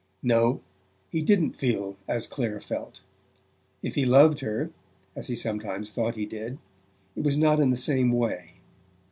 No, he didn't feel as Clare felt. If he loved her as he sometimes thought he did it was not in the same way.